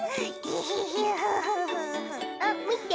あっみて！